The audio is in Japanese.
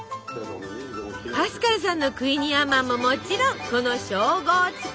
パスカルさんのクイニーアマンももちろんこの称号付き。